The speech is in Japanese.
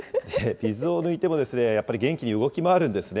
水を抜いても、やっぱり元気に動き回るんですね。